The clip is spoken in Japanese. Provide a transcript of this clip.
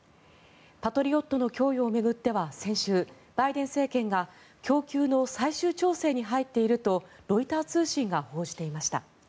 パトリオットの供与を巡っては先週バイデン政権が供給の最終調整に入っているとロイター通信が報じていました。